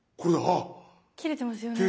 切れてますよね？